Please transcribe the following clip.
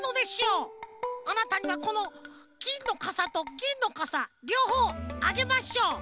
あなたにはこのきんのかさとぎんのかさりょうほうあげましょう！